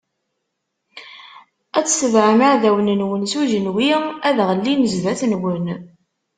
Ad tebɛem iɛdawen-nwen s ujenwi, ad ɣellin zdat-nwen.